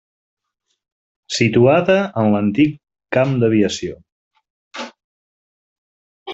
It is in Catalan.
Situada en l'antic camp d'aviació.